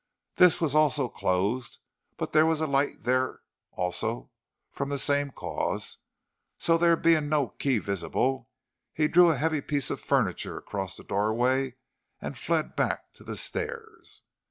This was also closed, but there was a light there, also from the same cause, so there being no key visible he drew a heavy piece of furniture across the doorway, and fled back to the stairs.